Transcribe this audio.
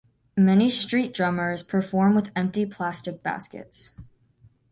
Many street drummers perform with empty plastic baskets.